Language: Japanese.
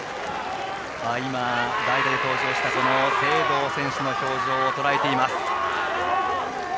代打で登場した清藤選手の表情をとらえました。